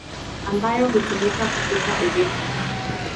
ambayo hutumika kupika urefu.